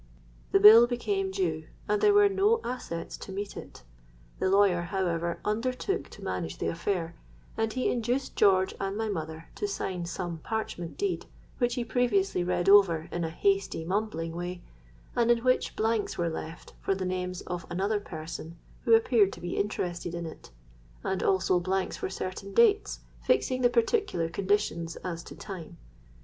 The bill became due, and there were no assets to meet it. The lawyer, however, undertook to manage the affair; and he induced George and my mother to sign some parchment deed, which he previously read over in a hasty mumbling way, and in which blanks were left for the names of another person who appeared to be interested in it; and also blanks for certain dates, fixing the particular conditions as to time.